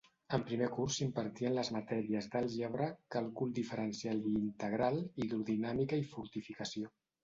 En primer curs s'impartien les matèries d'àlgebra, Càlcul diferencial i integral, Hidrodinàmica i fortificació.